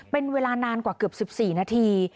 เป็นเวลานานกว่าเกือบ๑๔นาที